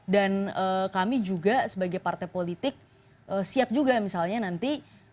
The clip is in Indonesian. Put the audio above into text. dan kami juga sebagai partai politik siap juga misalnya nanti